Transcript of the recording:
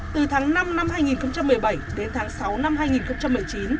từ tháng năm năm hai nghìn một mươi bảy đến tháng sáu năm hai nghìn một mươi chín